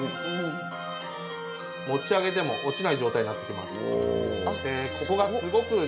持ち上げても落ちない状態になってきます。